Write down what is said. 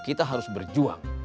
kita harus berjuang